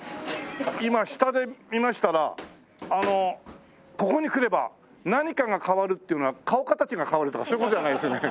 今下で見ましたら「ここに来れば何かが変わる！」っていうのは顔形が変わるとかそういう事じゃないですよね？